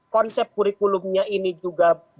konsep kurikulumnya ini juga harus matang gitu